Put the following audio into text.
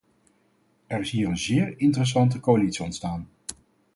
Er is hier een zeer interessante coalitie ontstaan.